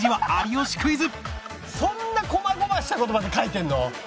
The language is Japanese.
そんなこまごました言葉で書いてんの？